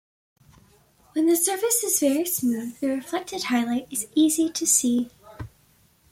When the surface is very smooth, the reflected highlight is easy to see.